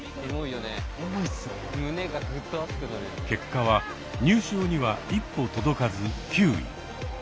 結果は入賞には一歩届かず９位。